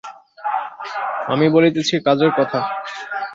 আমি বলিতেছি কাজের কথা।